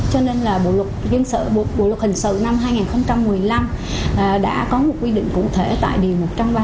cho nên là bộ luật hình sự năm hai nghìn một mươi năm đã có một quy định cụ thể tại điều một trăm ba mươi một